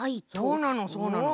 そうなのそうなの。